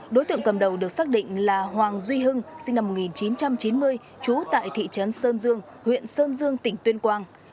đối tượng cầm đầu được xác định là hoàng duy hưng sinh năm một nghìn chín trăm chín mươi trú tại thị trấn sơn dương huyện sơn dương tỉnh tuyên quang